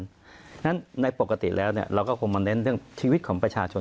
เพราะฉะนั้นในปกติแล้วเราก็คงมาเน้นเรื่องชีวิตของประชาชน